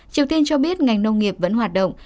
triều tiên cho biết ngành nông nghiệp vẫn hoạt động